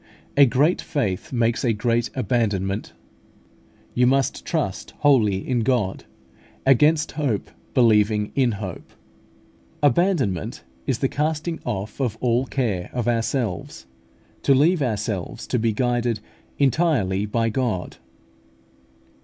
A great faith makes a great abandonment; you must trust wholly in God, against hope believing in hope (Rom. iv. 18). Abandonment is the casting off of all care of ourselves, to leave ourselves to be guided entirely by God.